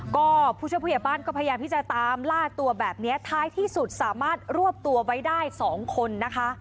ก็ผู้ช่วยผู้ใหญ่บ้านก็พยายามที่จะตามล่าตัวแบบนี้ท้ายที่สุดสามารถรวบตัวไว้ได้๒คนนะคะ